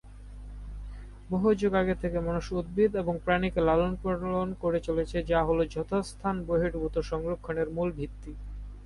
বহু যুগ আগে থেকে মানুষ উদ্ভিদ এবং প্রাণীকে পালন করে চলেছে যা হল যথাস্থান-বহির্ভূত সংরক্ষণের মূল ভিত্তি।